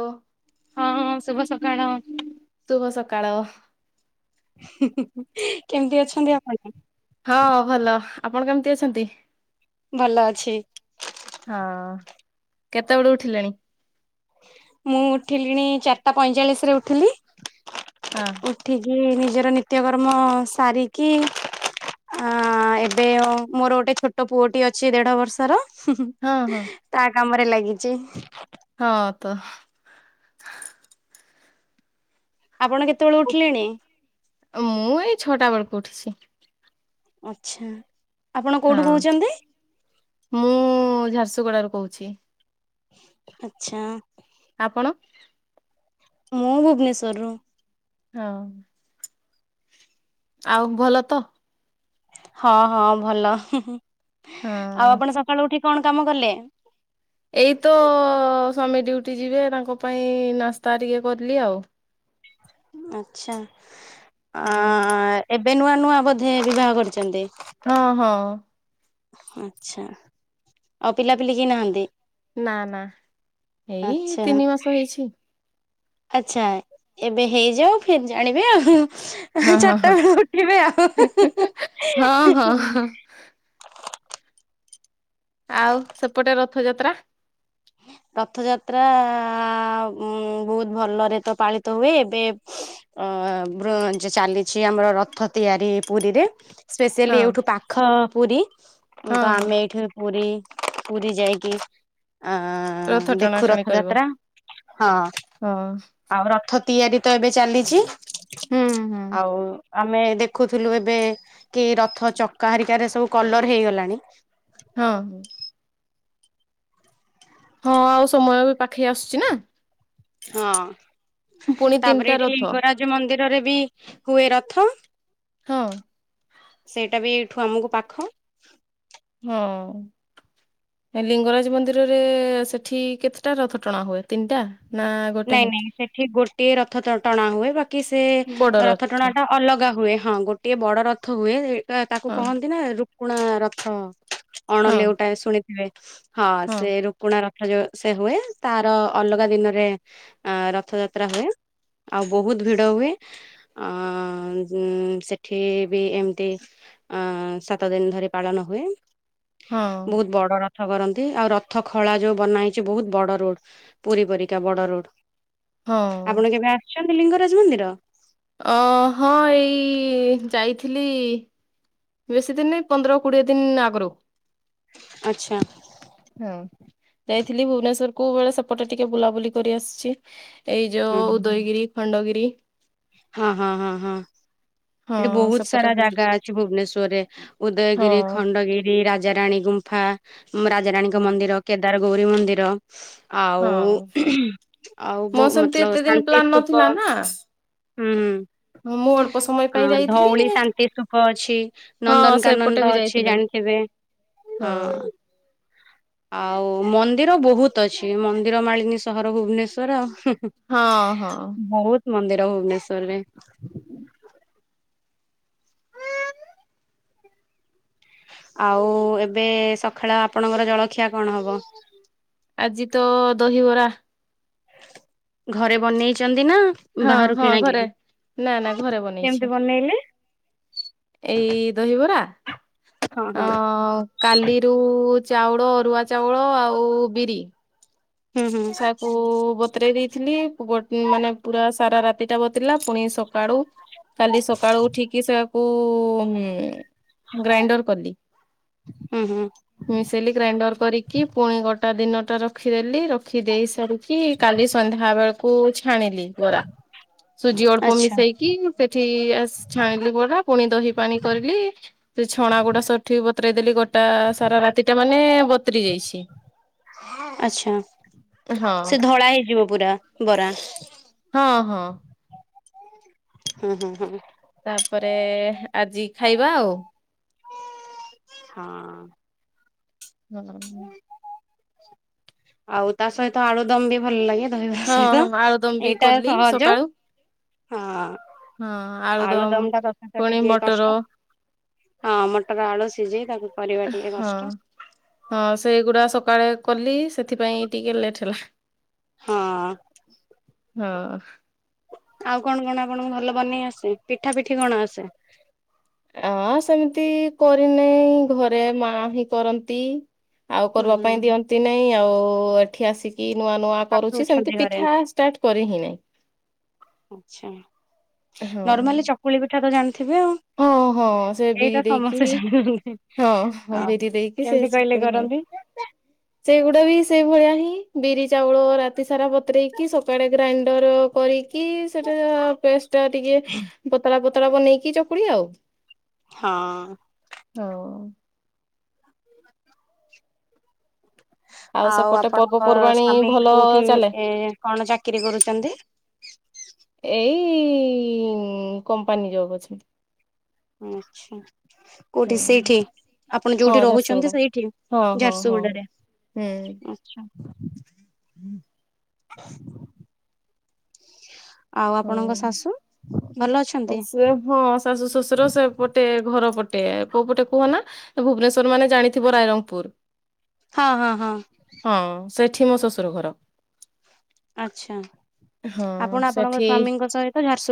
ଓ ହଁ ଶୁଭ ସକାଳ। ଶୁଭ ସକାଳ। ହିଁ ହିଁ କେମିତି ଅଛନ୍ତି ଆପଣ? ହଁ ଭଲ ଆପଣ କେମିତି ଅଛନ୍ତି? ଭଲ ଅଛି। ହଁ କେତେବେଳୁ ଉଠିଲେଣି? ମୁଁ ଉଠିଲିଣି ଚାରିଟା ପଇଁଚାଳିଶ ରେ ଉଠିଲି ହଁ ଉଠିକି ନିଜର ନିତ୍ୟକର୍ମ ସାରିକି ଆ ଏବେ ଓ ମୋର ଗୋଟେ ଛୋଟ ପୁଅଟି ଅଛି ଦେଢ ବର୍ଷର। ହଁ ହଁ ତା କାମରେ ଲାଗିଚି। ହଁ ତ। ଆପଣ କେତେବେଳେ ଉଠିଲେଣି? ମୁଁ ଏଇ ଛଅଟା ବେଳକୁ ଉଠିଛି। ଆଛା ଆପଣ ହଁ। କୋଉଠୁ କହୁଛନ୍ତି? ମୁଁ ଝାରସୁଗୁଡାରୁ କହୁଛି। ଆଛା। ଆପଣ। ମୁଁ ଭୁବନେଶ୍ଵରରୁ। ହଁ। ଆଉ ଭଲ ତ? ହଁ ହଁ ଭଲ ଆଉ ହଁ। ଆପଣ ସକାଳୁ ଉଠି କଣ କାମ କଲେ? ଏଇତ ସ୍ଵାମୀ ଡ୍ୟୁଟି ଯିବେ ତାଙ୍କ ପାଇଁ ନାସ୍ତା ଟିକେ କରଲିି ଆଉ। ଆଛା ଆ ହୁଁ। ଏ ଏବେ ନୂଆ ନୂଆ ବୋଧେ ବିବାହ କରିଛନ୍ତି। ଓହୋ। ଆଛା ଆଉ ପିଲାପିଲି କେହି ନାହାନ୍ତି? ନା ନା ଏଇ ଆଚ୍ଛା ତିନି ମାସ ହେଇଛି। ଆଚ୍ଛା ଏବେ ହେଇଯାଉ ଫିର୍ ଜାଣିବେ ଆଉ। ହଁ ଚରିଟା ହଁ ହଁ ର ଉଠି ବେଆଉ ହୁଁ ହୁଁ। ହଁ ହଁ [unintelligible] ହଁ ଆଉ ସେପଟେ ରଥଯାତ୍ରା। ଆ ଉଁ। ବହୁତ ଭଲରେ ତ ପାଳିତ ହୁଏ, ଏବେ ଅ ଚାଲିଛି ଆମର ରଥ ତିଆରି ପୁରୀରେ। ସ୍ପେସିଆଲି ହଁ ଏଇଠୁ ପାଖ ପୁରୀ, ତ ହଁ ହଁ। ଆମେ ଏଇଠି ପୁରୀ ପୁରୀ ଯାଇକି ଆ ରଥ ଦେଖୁ ଟଣାଟଣି କରିବ ରଥଯାତ୍ରା, ହଁ ହଁ। ଆଉ ରଥ ତିଆରି ତ ଏବେ ଚାଲିଚି। ହୁଁ ହୁଁ। ଆଉ ଆମେ ଦେଖୁଥିଲୁ ଏବେ କି ରଥ ଚକା ହେରିକା ଏସବୁ କଲର ହେଇଗଲାଣି। ହଁ। ହଁ ଆଉ ସମୟ ବି ପାଖେଇ ଆସୁଚି ନା। ହଁ ପୁଣି ତିନିଟା ତାପରେ ଏଇଠି ରଥ ଲିଙ୍ଗରାଜ ମନ୍ଦିର ରେ ବି ହୁଏ ରଥ ହଁ। ସେଇଟା ବି ଏଠୁ ଆମକୁ ପାଖ। ହଁ। ଲିଙ୍ଗରାଜ ମନ୍ଦିରରେ ସେଠି କେତେଟା ରଥ ଟଣା ହୁଏ ତିନିଟା ନା ଗୋଟେ ନାଇଁ, ହିଁ? ନାଇଁ, ସେଠି ଗୋଟିଏ ରଥ ଟଣା ହୁଏ ବାକି କି ସେ ରଥ ଟଣା ଟା ଅଲଗା ହୁଏ ହଁ ଗୋଟିଏ ବଡ ରଥ ହୁଏ ତ ତାକୁ ହଁ କହନ୍ତି ନା ରୁକୁଣା ରଥ ଅଣ ହଁ ଲେଉଟା ଶୁଣିଥିବେ ହଁ ସେ ରୁକୁଣା ରଥ ଯୋଉ ସେ ହୁଏ ତାର ଅଲଗା ଦିନରେ ଆ ରଥଯାତ୍ରା ହୁଏ। ଆଉ ବହୁତ ଭିଡ ହୁଏ ଆ ସେଠି ବି ଏମିତି ଅ ସାତ ଦିନ ଧରି ପାଳନ ହୁଏ, ହଁ ବହୁତ ବଡ ରଥ ରଥ କରନ୍ତି ଆଉ ରଥ ଖଳା ଯୋଉ ବନା ହେଇଛି ବହୁତ ବଡ ରୋଡ ପୁରୀ ପରିକା ବଡ ରୋଡ। ହଉ। ଆପଣ [unintelligible] ଲିଙ୍ଗରାଜ ମନ୍ଦିର ଅ ହଁ ଏଇ ଯାଇଥିଲି। ବେଶୀ ଦିନ ନାହିଁ ପନ୍ଦର କୋଡିଏ ଦିନ ଆଗରୁ। ଆଚ୍ଛା। ହଁ। ଯାଇଥିଲି ଭୁବନେଶ୍ଵର କୋ ବେଳେ ସେପଟେ ଟିକେ ବୁଲାବୁଲି କରି ଆସିଛି। ଏଇ ଯୋଉ ହୁଁ ଉଦୟଗିରି ଖଣ୍ଡଗିରି। ହଁ ହଁ ହଁ ହଁ ହଁ ଏଠି ବହୁତ ସେପଟେ ସାରା ବୁଲ ଜାଗା ଅଛି ଭୁବନେଶ୍ଵରରେ ହଁ ଉଦୟଗିରି, ଖଣ୍ଡଗିରି, ରାଜାରାଣୀ ଗୁମ୍ଫା। ରାଜାରଣୀଙ୍କ ହଁ ମନ୍ଦିର, କେଦାରଗୌରୀ ମନ୍ଦିର ଆଉ, ହଁ। ମୋର ଆଉ ସେମିତି ଏତେ ମତଲବ ଦିନ ପ୍ଲାନ୍ ନଥିଲା ଶାନ୍ତିସ୍ଥୁପ ନା ହଁ ମୁଁ ଅଳ୍ପ ସମୟ ପାଇଁ ହୁଁ ଯାଇଥିଲି। ଧଉଳି ଶାନ୍ତିସ୍ଥୁପ ଅଛି। ହଁ ନନ୍ଦନକାନନ ସେପଟେ ତ ବି ଅଛି ଯାଇଥିଲୁ ଜାଣିଥିବେ। ହଁ ଆଉ ମନ୍ଦିର ବହୁତ ଅଛି। ମନ୍ଦିର ମାଳିନୀ ସହର ଭୁବନେଶ୍ୱର ଆଉ। ହଁ ହଁ। ବହୁତ ମନ୍ଦିର ଭୁବନେଶ୍ଵରରେ ଆଉ ଏବେ ସକାଳ ଆପଣଙ୍କର ଜଳଖିଆ କଣ ହବ? ଆଜି ତ ଦହିବରା। ଘରେ ବନେଇଛନ୍ତି। ଦିନ ହଁ ବାହାରୁ ହଁ କିଣା ଘରେ କିିରି। ନା ନା ଘରେ ବନେଇଛି କେମିତି ବନେଇଲେ। ଏଇ ଦହିବରା ହଁ ଅ ହଁ କାଲିରୁ ଚାଉଳ, ଅରୁଆ ଚାଉଳ ଆଉ ବିରି ହୁଁ ହୁଁ ଛାକୁ ବତୁରେଇ ଦେଇଥିଲି ମାନେ ପୁରା ସାରା ରାତିଟା ବତରିଲା ପୁଣି ସକାଳ ସକାଳୁ କାଲି ସକାଳୁ ଉଠିକି ସେଆକୁ ଗ୍ରାଇଣ୍ଡର କଲି, ହୁଁ ହୁଁ ମିଶେଇଲି ଗ୍ରାଇଣ୍ଡର କରିକି ପୁଣି ଗୋଟେ ଟା ଦିନଟା ରଖିଦେଲି, ରଖି ଦେଇ ସାରିକି କାଲି ସନ୍ଧ୍ୟା ବେଳକୁ ଛାଣିଲି ବରା। ସୁଜି ଅଳ୍ପ ଆଚ୍ଛା ମିଶେଇକି ସେଠି ଛାଣିଲି ବରା। ପୁଣି ଦହି ପାଣି କରିଲି। ସେ ଛଣା ଗୁଡା ସେଠି ବତୁରେଇ ଦେଲି। ଗୋଟା ସାରା ରାତି ଟା ମାନେ ବତୁରି ଯାଇଛି। ଆଛା ହଁ ସେ ଧଳା ହେଇଯିବ ପୁରା ବରା ହଁ ହଁ। ହୁଁ ହୁଁ ହୁଁ। ତାପରେ ଆଜି ଖାଇବା ଆଉ ହଁ। ହୁଁ। ଆଉ ତା ସହିତ ଆଳୁଦମ୍ ବି ଭଲ ଲାଗେ। ଦହିବରା ହଁ ସହିତ ହଁ ଆଳୁଦମ ବି ଏଇଟା କଲି ସହଜ। ସକାଳୁ ହଁ ହଁ ଆଳୁଦମ ଆଳୁଦମ୍ ଟା [unintelligible] ପୁଣି ଟିକେ ମଟର କଷ୍ଟ। ହଁ ମଟର ଆଳୁ ସିଝେଇ ତାକୁ କରିବା ଟିକେ ହଁ କଷ୍ଟ। ହଁ ସେଇଗୁଡା ସକାଳେ କଲି। ସେଥିପାଇଁ ଟିକେ ଲେଟ୍ ହେଲା। ହଁ ହଁ ଆଉ କଣ କଣ ଆପଣଙ୍କୁ ଭଲ ବନେଇ ଆସେ। ପିଠା ପିଠି କଣ ଆସେ ଆଁ ସେମିତି କରିନାହିଁ ଘରେ ମା ହିଁ କରନ୍ତି। ଆଉ ହୁଁ କରିବା ହୁଁ ପାଇଁ ଦିଅନ୍ତି ନାଇଁ ଆଉ ଏଠି ଆସି। କି ନୂଆ ନୂଆ ଶାଶୁ କରୁଛି। ଅଛନ୍ତି ସେମିତି ପିଠା ଷ୍ଟାର୍ଟ କରି ହିଁ ନାଇଁ। ଆଛା ହଁ ନର୍ମାଲି ଚକୁଳି ପିଠା ତ ଜାଣିଥିବେ ଆଉ। ହଁ ହଁ ସେ ଏଇଟା ବିରି ସମସ୍ତେ ଦେଇକି ଜାଣନ୍ତି ହଁଁ ଆଉ ବିରି ଦେଇକି ସେ କେମିତି କହିଲେ ଚକୁଳି ହଁ [inaudible] କରନ୍ତି? ସେଗୁଡା ବି ସେଇ ଭଳିଆ ହିଁ। ବିରି, ଚାଉଳ ରାତି ସାରା ବତୁରେଇକି ସକାଳେ ଗ୍ରାଇଣ୍ଡର କରିକି ସେଟା ପେଷ୍ଟ ଟା ଟିକେ ପତଳା ପତଳା ବନେଇକି ଚକୁଳି ଆଉ। ହଁ। ଆଉ ସେପଟେ ଆପଣଙ୍କ ପର୍ବପର୍ବାଣୀ ସ୍ଵାମୀ ଭଲ କୋଉଠି ଚାଲେ କଣ ଚାକିରୀ କରୁଛନ୍ତି? ଏଇ କମ୍ପାନୀ ଜବ୍ ଅଛନ୍ତି। ଆଛା। କୋଉଠି ସେଇଠି ଆପଣ ଯୋଉଠି ଝାରସୁଗୁଡା ରହୁଛନ୍ତି ସେଇଠି ହଁ ହଁ ହଁ ଝାରସୁଗୁଡାରେ ଆଛା। ହୁଁ [inaudible] ଶାଶୁ ଭଲ ହଁ ଅଛନ୍ତି? ସେ ହଁ ଶାଶୁ ଶଶୁର ସେ ପଟେ ଘର ପଟେ ଗଟେ କୋଉ ପଟେ କୁହନା ଭୁବନେଶ୍ଵର ମାନେ ଜାଣିଥିବ ରାଇରଙ୍ଗପୁର ହଁ ହଁ ହଁ। ହଁ ସେଠି ମୋ ଶ୍ୱଶୁର ଘର। ଆଚ୍ଛା ହଁ ଆପଣ ଆପଣଙ୍କ ସେଠି ସ୍ଵାମୀଙ୍କ ସହିତ ଝାରସୁ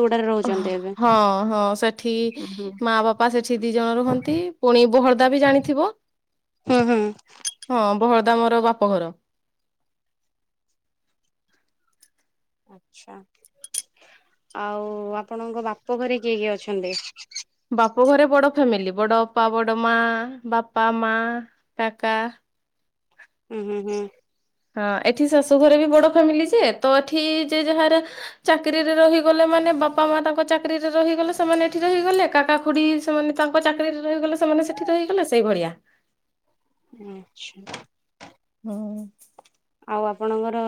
ହଁ ହଁ ସେଠି ହୁଁ ହୁଁ। ମା ବାପା ସେଠି ଦି ଜଣ ରୁହନ୍ତି ପୁଣି ବୋହଳ ସଦା ବି ଜାଣିଥିବ। ହୁଁ। ହୁଁ ହଁ ବହଳଦା ମୋର ବାପଘର ଆଚ୍ଛା। ଆଉ ଆପଣଙ୍କ ବାପ ଘରେ କିଏ କିଏ ଅଛନ୍ତି? ବାପ ଘରେ ବଡ ଫ୍ୟାମିଲି ବଡ ଅପା ବଡ ମା ବାପା ମା କାକା ହୁଁ ହୁଁ ହୁଁ। ହଁ ଏଠି ଶାଶୁ ଘରେ ବି ବଡ ଫ୍ୟାମିଲି ଯେ ତ ଏଠି ଯେ ଯାହାର ଚାକିରିରେ ରହିଗଲେ ମାନେ ବାପା ମା ତାଙ୍କ ଚାକିରିରେ ରହିଗଲେ ସେମାନେ ଏଠି ରହିଗଲେ କାକା ଖୁଡି ସେମାନେ ତାଙ୍କ ଚାକିରିରେ ରହିଗଲେ ସେମାନେ ସେଠି ରହିଗଲେ ସେଇ ଭଳିଆ ଆଚ୍ଛା। ହୁଁ। ଆଉ ଆପଣଙ୍କର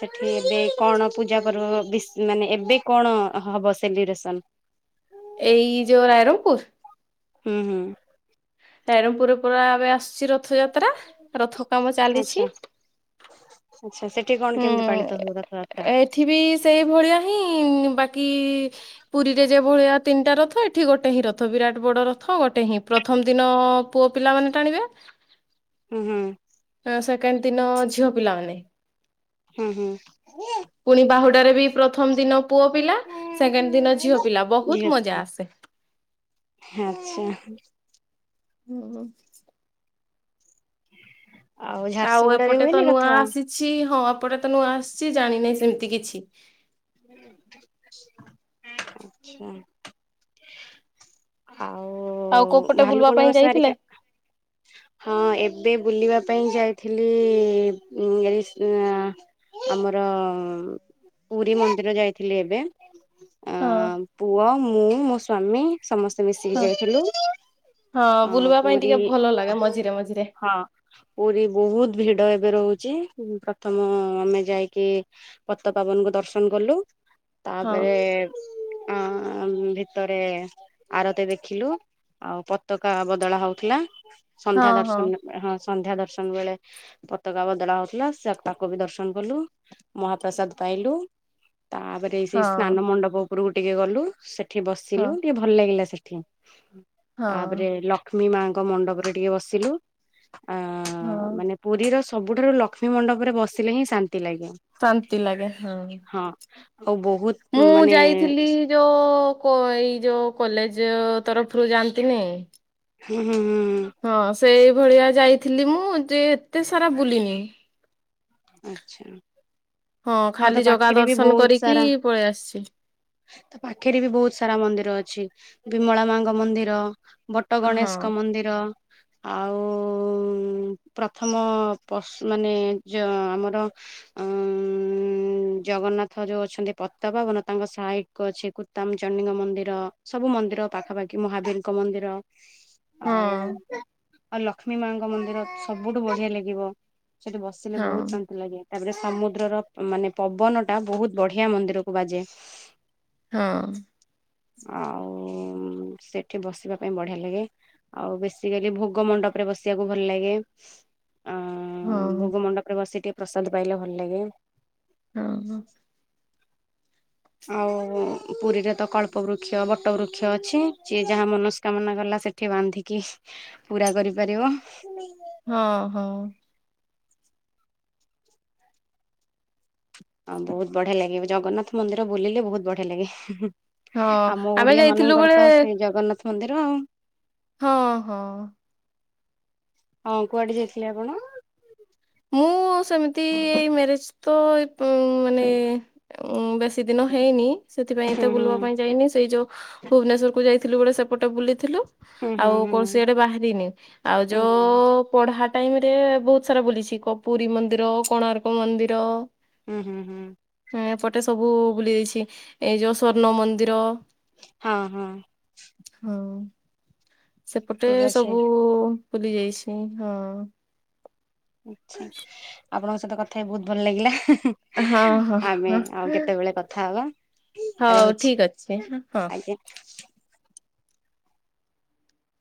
ସେଠି ଏବେ କଣ ପୂଜା ପର୍ବ ବିସ୍ ମାନେ ଏବେ କଣ ହବ? ବସଲିରେସନ। ଏଇ ଯୋଉ ରାଇରଙ୍ଗପୁର୍। ହୁଁ ହୁଁ। ରାଇରଙ୍ଗପୁର୍ରେ ପୁରା ଏବେ ଆସିଛି ରଥଯାତ୍ ଯାତା ରଥ କାମ ଆଚ୍ଛା ଚାଲିଛି। ଆଚ୍ଛା ସେଠି କଣ କେମିତି ହୁଁ ପାଳିତ ହୁଏ ରଥଯାତ୍ରା? ଏଠ ବିି ସେଇ ଭଳିଆ। ବାକି ପୁରୀରେ ଯେ ଭଳିଆ ତିନିଟା ରଥ୍ ଏଠି ଗୋଟେ ହିଁ ରଥ ବିରାଟ ବଡ ରଥ ଗୋଟେ ହିଁ ପ୍ରଥମ ଦିନ ପୁଅ ପିଲାମାନୋନେ ଟାଣିବେ। ହୁଁ ହୁଁ। ସେକେଣ୍ଡ ଦିନ ଝିଅ ପିଲାମାନେ। ହୁଁ ହୁଁ। ପୁଣି ବାହୁଡାରେ ବି ପ୍ରଥମ ଦିନ। ପୁଅ ପିଲା ସେକେଣ୍ଡ ଦିନ ଝିଅ ପିଲା ବହୁତ ମଜା ଆସେ। ଆ୍ଛା। ହଁ। ଆଉ ଝାରସୁଗୁଡାରେ ଏପଟେ ତ ହୁଏନି ନୂଆ ରଥ ଆସିଛି ହଁ। ଏପଟେ ତ ନୁ ଆସିଛି ଜାଣିନହିଁ ସେମିତି କିଛି। ଆଛା। ଆଉ କୋଉପଟେ ବୁଲିବା ପାଇଁ ଭାଲୁକଣିବ ଯାଇଥିଲେ ସାରିକା। ହଁ ଏବେ ବୁଲିବା ପାଇଁ ଯାଇଥିଲି ଆମର ପୁରୀ ମନ୍ଦିର ଯାଇଥିଲି ଏବେ। ଅ ହଁ ପୁଅ ମୁଁ ମୋ ସ୍ଵାମୀ ସମସ୍ତେ ମିଶିକି ହଁ ଯାଇଥିଲୁ ହଁ ଅ ବୁଲିବା ପାଇଁ ପୁରୀ ଟିକେ ଭଲ ଲାଗେ ମଝିରେ ମଝିରେ ହଁ ପୁରୀ ବହୁତ ଭିଡ ଏବେ ଏବେ ରହୁଛି ପ୍ରଥମ ଆମେ ଯାଇକି ପତିତପାବନକୁ ଦର୍ଶନ କଲୁ। ହଁ ତାପରେ ଅ ଭିତରେ ଆରତୀ ଦେଖିଲୁ ଆଉ ପତକା ବଦଳା ହେଉଥିଲା। ସନ୍ଧ୍ୟା ହଁ ହଁ ଦର୍ଶନ ହଁ। ସନ୍ଧ୍ୟା ଦର୍ଶନ ବେଳେ ପତାକା ବଦଳା ହଉଥିଲା ସେ ତାଙ୍କୁ ବି ଦର୍ଶନ କଲୁ ମହାପ୍ରସାଦ ପାଇ ଖାଇଲୁ। ତାପରେ ସେଇ ହଁ ସ୍ନାନ ମଣ୍ଡପ ଉପରକୁ ଟିକେ ଗଲୁ ସେଠି ହଁ ବସିଲୁ ଟିକେ ଭଲ ଲାଗିଲା ସେଠି। ହଁ ତାପରେ ଲକ୍ଷ୍ମୀ ମାଙ୍କ ମଣ୍ଡପରେ ଟିକେ ବସିଲୁ। ଅ ହଁ ମାନେ ପୁରୀର ସବୁଠାରୁ ଲକ୍ଷ୍ମୀ ମଣ୍ଡପରେ ବସିଲେ ହିଁ ଶାନ୍ ଲାଗିବ ଶାନ୍ତି ଲାଗେ ହଁ। ହଁ। ଆଉ ବହୁତ ମୁଁ ମାନେ ଯାଇଥିଲି ଯୋଉ ଏଇ ଯୋଉ କଲେଜ। ଜ ତରଫରୁ ଯାଆନ୍ତିନି। ହୁଁ ହୁଁ ହୁଁ ହଁ ସେଇଭଳିଆ ଯାଇଥିଲି ମୁଁ ଯେ ଏତେ ସାରା ବୁଲିନି। ଆଛା। ହଁ ଖାଲି ଜଗା ଦର୍ଶନ କରିକି ସାରା ପଳେଇ ଆସିଛି। ପାଖରେ ବି ବହୁତ ସାରା ମନ୍ଦିର ଅଛି ବିମଳା ମାଙ୍କ ମନ୍ଦିର ବଟ ହଁ ଗଣେଶଙ୍କ ମନ୍ଦିର ଆଉ ପ୍ରଥମ ପଶୁ ମାନେଚ ଆମର ଜଗନ୍ନାଥ ଯୋଉ ଅଛନ୍ତି ପତପାବନ ତାଙ୍କ ସାଇଡ୍ କୁ ଅଛି କୁତାମ ଚଣ୍ଡୀଙ୍କ ମନ୍ଦିର ସବୁ ମନ୍ଦିର ସବୁ ଅ ମନ୍ଦିର ପାଖାପାଖି ମହାବୀରଙ୍କ ମନ୍ଦିର। ହଁ। ଆଉ ଆଉ ଲକ୍ଷ୍ମୀ ମା ଙ୍କ ମନ୍ଦିର ସବୁଠୁ ବଢିଆ ଲାଗିବ। ସେଠି ବସିଲେ ବହୁତ ହଁ ଶାନ୍ତି ଲାଗେ ତାପରେ ସମୁଦ୍ରର ମାନେ ପବନ ଟା ବହୁତ ବଢିଆ ମନ୍ଦିରକୁ ବାଜେ। ହଁ। ଆଉ ସେଠି ବସିବା ପାଇଁ ବଢିଆ ଲାଗେ ଆଉ ବେଶିକାଲି ଭୋଗ ମଣ୍ଡପ ତାପରେ ବସିବାକୁ ଭଲ ଲାଗେ। ଅ ହଁ ଭୋଗ ମଣ୍ଡପରେ ବସି ଟିକେ ପ୍ରସାଦ ପାଇଲେ ଭଲ ଲାଗେ। ହଁ ହଁ। ଆଉ ପୁରୀ ରେ ତ କଳ୍ପ ବୃକ୍ଷ ବଟ ବୃକ୍ଷ ଅଛି ଯିଏ ଯାହା ମନସ୍କାମନା କଲା। ସେଠି ବାନ୍ଧିକି ପୁରା କରିପାରିବ। ହଁ ହଁ। ହଉ ବହୁତ ବଢିଆ ଲାଗେ ଜଗନ୍ନାଥ ମନ୍ଦିର ବୁଲିଲେ ବହୁତ ବଢିଆ ଲାଗେ। ହଁ ଆମ ଆମେ ଓଡିଆ ଯାଇଥିଲୁ ମାନଙ୍କର ବେଳେ ତ ସେଇ ଜଗନ୍ନାଥ ମନ୍ଦିର ଆଉ। ହଁ ହଁ। ହଁ କୁଆଡେ ଯାଇଥିଲେ ଆପଣ? ମୁଁ ସେମିତି ଏଇ ମ୍ୟାରେଜ ତ ମାନେ ଉଁ ବେଶୀ ଦିନ ହେଇନି। ସେଥିପାଇଁ ହୁଁ ଏତେ ବୁଲିବା ପାଇଁ ଯାଇନି ସେଇ ଯୋଉ ଭୁବନେଶ୍ୱର କୁ ଯାଇଥିଲୁ ଗୋଟେ ସେପଟେ ବୁଲିଥିଲୁ। ହୁଁ ହୁଁ ଆଉ ହୁଁ କୌଣସି ଆଡେ ବାହାରିନି ଆଉ ହୁଁ ହୁଁ ହୁଁ ଯୋଉ ପଢ଼ା। ଟାଇମ ରେ ବହୁତ ସାରା ବୁଲିଛି ପୁରୀ ମନ୍ଦିର କୋଣାର୍କ ମନ୍ଦିର। ହୁଁ ହୁଁ ହୁଁ ହଁ ଏପଟେ ସବୁ ବୁଲି ଦେଇଛି ଏଇ ଯଉ ସ୍ଵର୍ଣ୍ଣ ମନ୍ଦିର ହଁ ହଁ। ହଁ ସେପଟେ ଠିକ ଅଛି। ସବୁ ବୁଲି ଯାଇଛି ହଁ। ଆଛା ଆପଣଙ୍କ ସହିତ କଥା ହି ବହୁତ ଭଲ ଲାଗିଲା। ହଁ ହଁ ଆମେ ହଁ ଆଉ କେତେବେଳେ କଥା ହବା। ହଉ ରହୁଛି ଠିକ ଅଛି ହଁ। ଆଜ୍ଞା।